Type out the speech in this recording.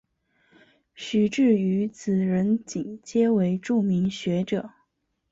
徐致愉子仁锦皆为著名学者。